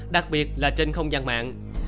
đặc biệt là trên không gian mạng